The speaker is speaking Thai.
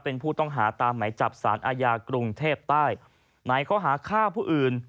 เป็นผู้ต้องหาตามไหมจับสารอาญากรุงเทพใต้ไหนเขาหาฆ่าผู้อื่น